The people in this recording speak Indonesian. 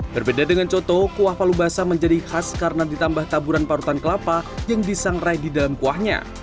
berbeda dengan coto kuah palu basah menjadi khas karena ditambah taburan parutan kelapa yang disangrai di dalam kuahnya